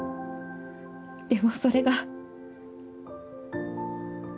でもそれが。